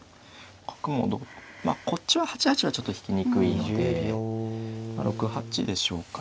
角もまあこっちは８八はちょっと引きにくいので６八でしょうかね。